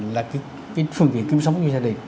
là cái phương tiện kiếm sống của gia đình